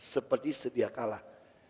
seperti sedia kalah